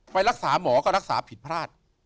ไปรักษาหมอก็รักษาผิดพลาด